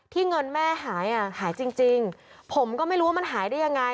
เงินแม่หายอ่ะหายหายจริงผมก็ไม่รู้ว่ามันหายได้ยังไง